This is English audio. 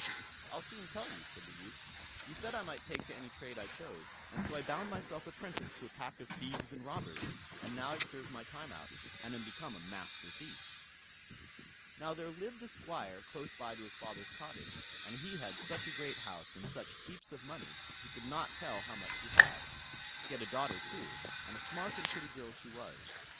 I'll soon tell you", said the youth. "You said I might take to any trade I chose, and so I bound myself apprentice to a pack of thieves and robbers, and now I've served my time out, and am become a Master Thief." Now there lived a Squire close by to his father's cottage, and he had such a great house, and such heaps of money, he could not tell how much he had. He had a daughter too, and a smart and pretty girl she was.